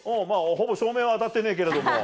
ほぼ照明は当たってねえけれども。